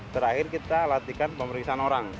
terakhir kita latihkan pemeriksaan orang